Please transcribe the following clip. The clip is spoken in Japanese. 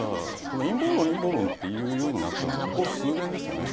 「陰謀論陰謀論」って言うようになったのはここ数年ですよね。